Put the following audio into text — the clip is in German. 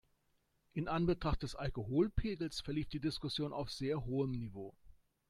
In Anbetracht des Alkoholpegels verlief die Diskussion auf sehr hohem Niveau.